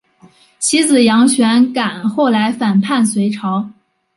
其子杨玄感后来反叛隋朝。